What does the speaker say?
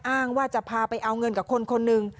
อ้างว่าจะพาไปเอาเงินกับคนคนหนึ่ง